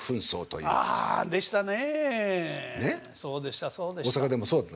そうでしたそうでした。